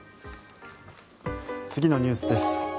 次のニュースです。